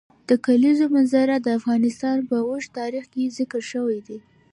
د کلیزو منظره د افغانستان په اوږده تاریخ کې ذکر شوی دی.